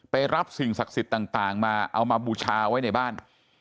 รับสิ่งศักดิ์สิทธิ์ต่างมาเอามาบูชาไว้ในบ้าน